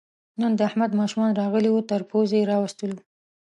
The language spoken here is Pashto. نن د احمد ماشومان راغلي وو، تر پوزې یې راوستلو.